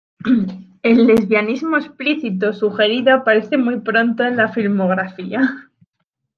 El lesbianismo explícito o sugerido aparece muy pronto en la filmografía.